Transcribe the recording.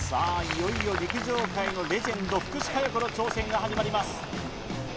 いよいよ陸上界のレジェンド福士加代子の挑戦が始まります